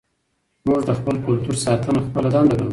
موږ د خپل کلتور ساتنه خپله دنده ګڼو.